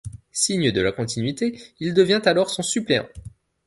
Signe de la continuité, il devient alors son suppléant.